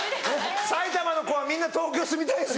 埼玉の子はみんな東京住みたいんです